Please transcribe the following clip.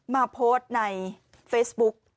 มาโพสต์ในเฟซบุ๊ก